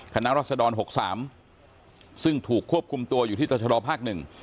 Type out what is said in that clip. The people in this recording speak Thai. รัศดร๖๓ซึ่งถูกควบคุมตัวอยู่ที่ตรชดภาคหนึ่ง